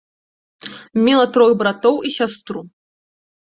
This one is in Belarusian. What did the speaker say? Мела трох братоў і сястру.